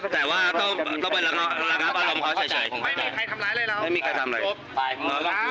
แต่ว่าต้องเป็นลักษณะประลำเขาเฉยไม่มีใครทำอะไร